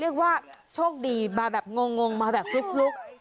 เรียกว่าโชคดีมาแบบงงมาแบบฟลุก